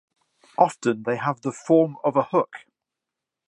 Often, they have the form of a hook.